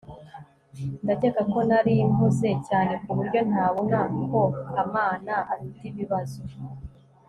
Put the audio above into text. ndakeka ko nari mpuze cyane kuburyo ntabona ko kamana afite ibibazo